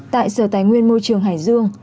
tại sở tài nguyên môi trường hải dương